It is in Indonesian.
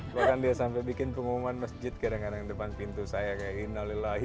bahkan dia sampai bikin pengumuman masjid kadang kadang depan pintu saya kayak innalillahi